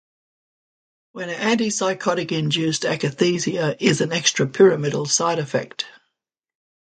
When antipsychotic-induced, akathisia is an extrapyramidal side effect.